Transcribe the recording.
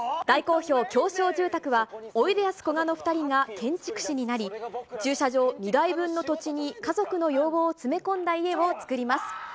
大好評、狭小住宅は、おいでやすこがの２人が建築士になり、駐車場２台分の土地に家族の要望を詰め込んだ家を造ります。